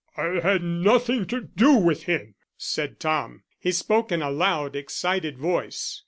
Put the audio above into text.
"I had nothing to do with him," said Tom. He spoke in a loud excited voice.